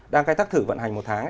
đang khai thác thử vận hành một tháng